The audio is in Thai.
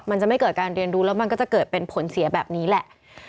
มันจะไม่เกิดการเรียนรู้แล้วมันก็จะเกิดเป็นผลเสียแบบนี้แหละ